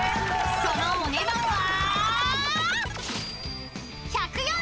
［そのお値段は］